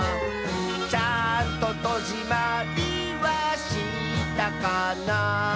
「ちゃんととじまりはしたかな」